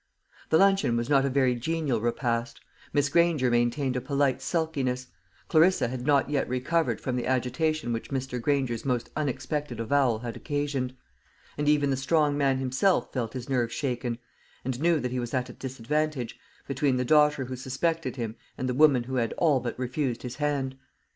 The luncheon was not a very genial repast; Miss Granger maintained a polite sulkiness; Clarissa had not yet recovered from the agitation which Mr. Granger's most unexpected avowal had occasioned; and even the strong man himself felt his nerves shaken, and knew that he was at a disadvantage, between the daughter who suspected him and the woman who had all but refused his hand.